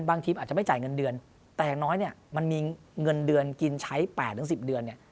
บางทีอาจจะไม่จ่ายเงินเดือนแต่อย่างน้อยเนี่ยมันมีเงินเดือนกินใช้๘๑๐เดือนเนี่ย